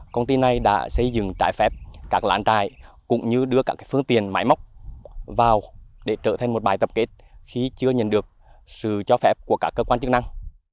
công ty này đã xây dựng trái phép các lãn trại cũng như đưa các phương tiền máy móc vào để trở thành một bài tập kết khi chưa nhận được sự cho phép của các cơ quan chức năng